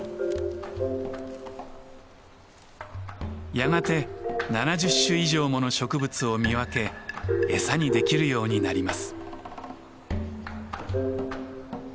やがて７０種以上もの植物を見分け餌にできるようになります。